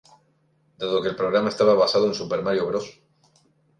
Dado que el programa estaba basado en"Super Mario Bros.